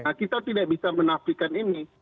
nah kita tidak bisa menafikan ini